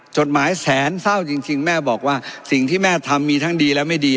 จดหมายแสนเศร้าจริงแม่บอกว่าสิ่งที่แม่ทำมีทั้งดีและไม่ดี